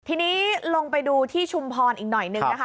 ทีนี้ลงไปดูที่ชุมพรอีกหน่อยหนึ่งนะคะ